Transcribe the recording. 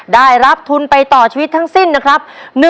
ได้รับทุนไปต่อชีวิตทั้งสิ้นนะครับ